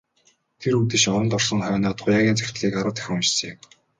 Тэр үдэш оронд орсон хойноо Туяагийн захидлыг арав дахин уншсан юм.